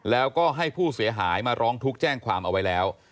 แล้วก็ให้ผู้เสียหายมาร้องทุกข์แจ้งความเอาไว้แล้ว